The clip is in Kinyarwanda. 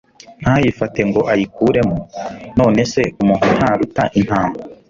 ntayifate ngo ayikuremo? None se umuntu ntaruta intama?